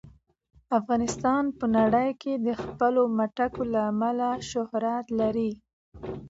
افغانستان په نړۍ کې د خپلو چار مغز له امله شهرت لري.